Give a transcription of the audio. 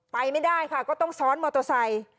ไปไม่ได้ค่ะก็ต้องซ้อนมอเตอร์ไซค์